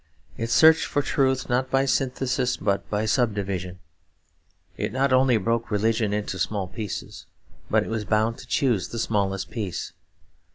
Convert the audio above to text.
It searched for truth not by synthesis but by subdivision. It not only broke religion into small pieces, but it was bound to choose the smallest piece.